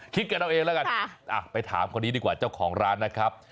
คิดกันเอาเองแล้วกันไปถามคนนี้ดีกว่าเจ้าของร้านนะครับ